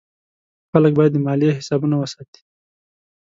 خلک باید د مالیې حسابونه وساتي.